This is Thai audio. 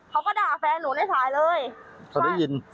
เขาก็ด่าแฟนหนูในสายเลย